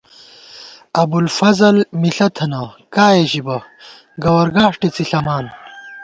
ابُوالفضل مِݪہ تھنہ ، کائے ژِبہ ، گوَر گاݭٹے څِݪَمان